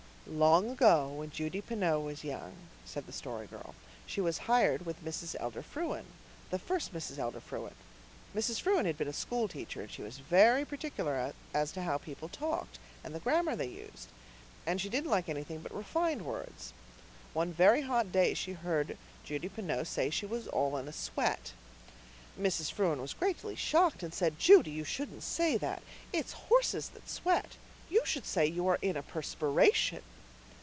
"Long ago, when Judy Pineau was young," said the Story Girl, "she was hired with Mrs. Elder Frewen the first Mrs. Elder Frewen. Mrs. Frewen had been a school teacher, and she was very particular as to how people talked, and the grammar they used. And she didn't like anything but refined words. One very hot day she heard Judy Pineau say she was 'all in a sweat.' Mrs. Frewen was greatly shocked, and said, 'Judy, you shouldn't say that. It's horses that sweat. You should say you are in a perspiration.